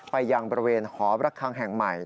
ไปยังบริเวณหอประคังแห่งใหม่